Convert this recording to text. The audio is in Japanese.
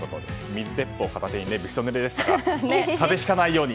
水鉄砲片手にびしょぬれでしたから風邪をひかないように。